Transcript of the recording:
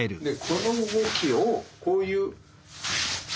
でこの動きをこういう。